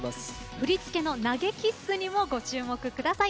振り付けの投げキッスにもご注目ください。